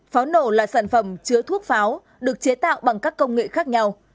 pháo nổ là sản phẩm chứa thuốc pháo được chế tạo bằng các công nghệ khác nhau